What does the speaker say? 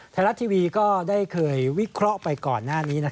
ไทยรัฐทีวีก็ได้เคยวิเคราะห์ไปก่อนหน้านี้